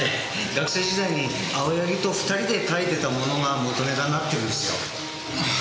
学生時代に青柳と２人で書いてたものが元ネタになってるんですよ。